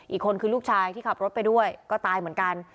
อีกคนคือลูกชายที่ขับรถไปด้วยก็ตายเหมือนกัน